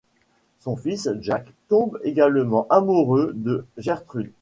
Son fils Jacques tombe également amoureux de Gertrude.